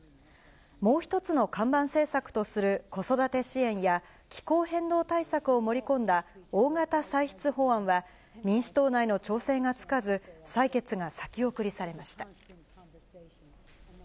もう一つの看板政策とする子育て支援や、気候変動対策を盛り込んだ大型歳出法案は、民主党内の調整がつかず、採決が先送りされました。